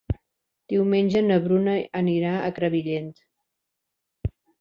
Diumenge na Bruna anirà a Crevillent.